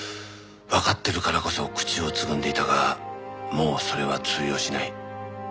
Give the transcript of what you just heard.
わかってるからこそ口をつぐんでいたがもうそれは通用しない。